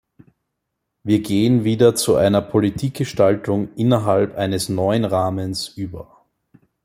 Wir gehen wieder zu einer Politikgestaltung innerhalb eines neuen Rahmens über.